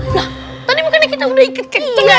nah tadi bukannya kita udah ikut kenceng aja